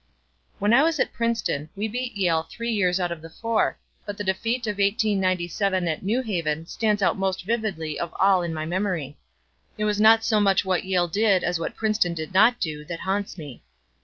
When I was at Princeton, we beat Yale three years out of the four, but the defeat of 1897 at New Haven stands out most vividly of all in my memory. And it is not so much what Yale did as what Princeton did not do that haunts me.